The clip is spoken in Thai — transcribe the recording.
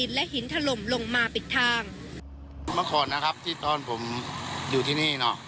เมื่อพ่อนะครับว่าที่ตอนผมอยู่ที่นี่